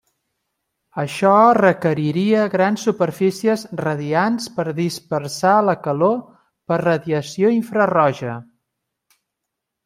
Això requeriria grans superfícies radiants per dispersar la calor per radiació infraroja.